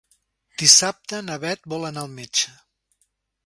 Dissabte na Beth vol anar al metge.